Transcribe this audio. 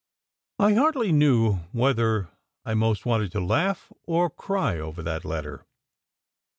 I hardly knew whether I most wanted to laugh or cry over that letter.